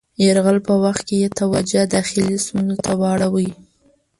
یرغل په وخت کې یې توجه داخلي ستونزو ته واړوي.